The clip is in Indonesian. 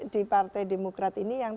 di partai demokrat ini yang